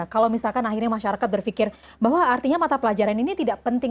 kalau misalkan akhirnya masyarakat berpikir bahwa artinya mata pelajaran ini tidak penting